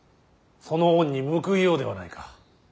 その恩に報いようではないか。